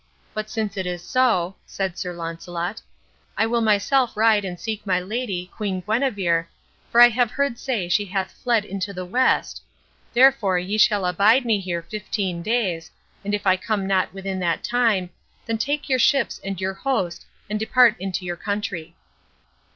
But since it is so," said Sir Launcelot, "I will myself ride and seek my lady, Queen Guenever, for I have heard say she hath fled into the west; therefore ye shall abide me here fifteen days, and if I come not within that time, then take your ships and your host, and depart into your country."